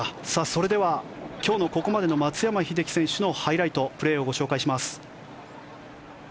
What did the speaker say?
それでは今日のここまでの松山英樹選手のハイライトプレーをご紹介します。